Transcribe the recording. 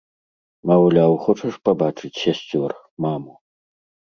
Маўляў, хочаш пабачыць сясцёр, маму?